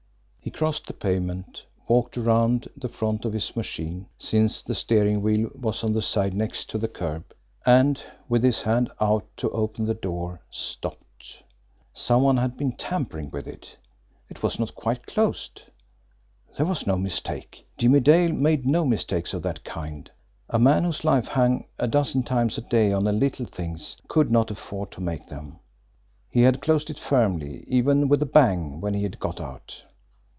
He crossed the pavement, walked around the front of his machine, since the steering wheel was on the side next to the curb, and, with his hand out to open the car door stopped. Some one had been tampering with it it was not quite closed. There was no mistake. Jimmie Dale made no mistakes of that kind, a man whose life hung a dozen times a day on little things could not afford to make them. He had closed it firmly, even with a bang, when he had got out.